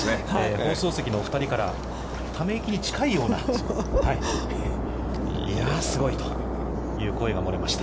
放送席のお二人から、ため息に近いような、いや、すごいという声が漏れました。